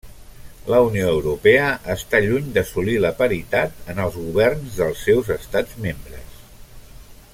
La Unió Europea està lluny d'assolir la paritat en els governs dels seus estats membres.